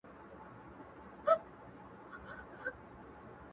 کوڅه دربی سپى څوک نه خوري.